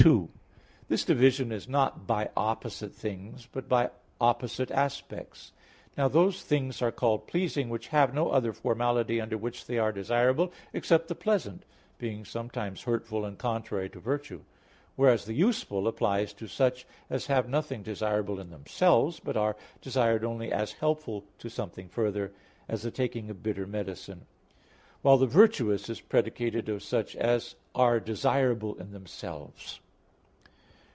2: This division is not by opposite things; but by opposite aspects. Now those things are called pleasing which have no other formality under which they are desirable except the pleasant, being sometimes hurtful and contrary to virtue. Whereas the useful applies to such as have nothing desirable in themselves, but are desired only as helpful to something further, as the taking of bitter medicine; while the virtuous is predicated of such as are desirable in themselves.